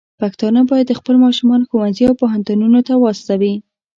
پښتانه بايد خپل ماشومان ښوونځي او پوهنتونونو ته واستوي.